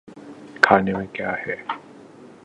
کھانے میں کیا ہے۔